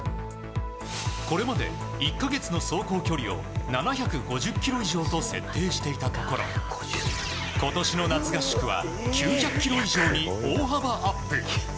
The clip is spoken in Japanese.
これまで１か月の走行距離を７５０ｋｍ以上と設定していたところ今年の夏合宿は９００ｋｍ以上に大幅アップ。